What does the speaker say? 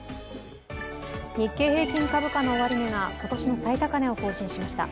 日経平均株価の終値が今年の最高値を更新しました。